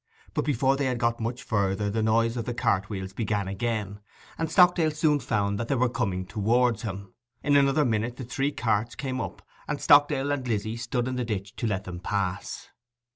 But before they had got much further the noise of the cartwheels began again; and Stockdale soon found that they were coming towards him. In another minute the three carts came up, and Stockdale and Lizzy stood in the ditch to let them pass.